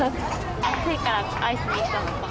暑いからアイスにしたのかな？